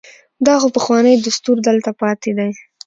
دا خو پخوانی دستور دلته پاتې دی.